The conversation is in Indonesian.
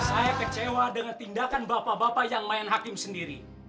saya kecewa dengan tindakan bapak bapak yang main hakim sendiri